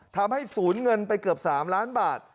ทำให้ศูนย์เงินไปเกือบ๓ล้านบาท